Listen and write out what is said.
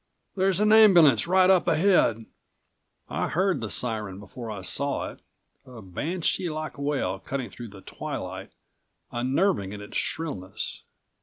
There's an ambulance right up ahead!" I heard the siren before I saw it, a banshee like wail cutting through the twilight, unnerving in its shrillness.